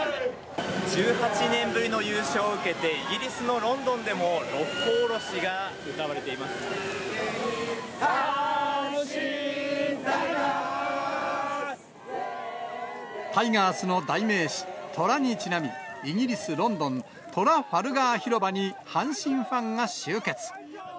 １８年ぶりの優勝を受けて、イギリスのロンドンでも、タイガースの代名詞、トラにちなみ、イギリス・ロンドン、トラファルガー広場に阪神ファンが集結。